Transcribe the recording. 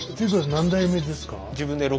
何代目ですか？